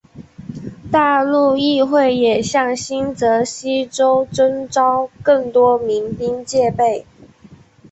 大陆议会也向新泽西州征召更多民兵戒备。